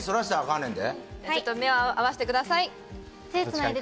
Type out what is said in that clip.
んでちょっと目を合わしてください